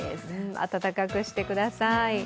暖かくしてください。